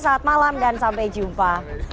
selamat malam dan sampai jumpa